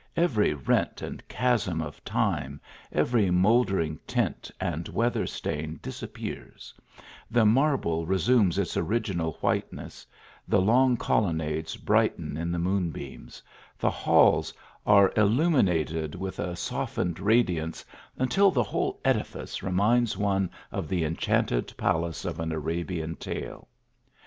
Every rent and chasm of time, every mouldering tint and weather stain disappears; the marble re sumes its original whiteness ; the long colonnades 66 THE ALHAMBRA. brighten in the moon beams ; the halls are illumi nated with a softened radiance, until the whole edi fice reminds one of the enchanted palace of an Arabian tale.